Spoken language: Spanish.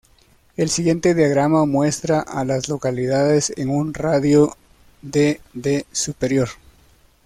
El siguiente diagrama muestra a las localidades en un radio de de Superior.